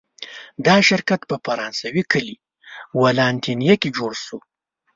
دا شرکت په فرانسوي کلي ولانتینیه کې جوړ شو.